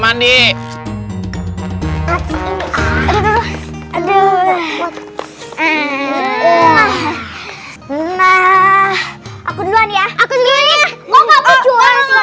nah aku duluan ya aku dulu ya